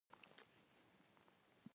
د وتلو دروازې په لور ور هۍ کړل.